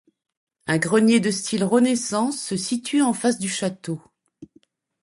Un grenier de style renaissance se situe en face du château.